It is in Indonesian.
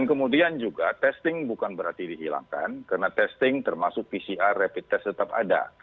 dan kemudian juga testing bukan berarti dihilangkan karena testing termasuk pcr rapid test tetap ada